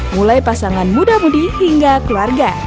mulai pasangan muda mudi hingga keluarga